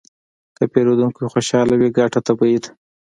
که پیرودونکی خوشحاله وي، ګټه طبیعي ده.